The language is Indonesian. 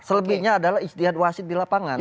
selebihnya adalah ikhtiar wasit di lapangan